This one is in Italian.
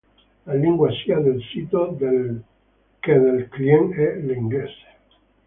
La lingua sia del sito che del client è l'inglese.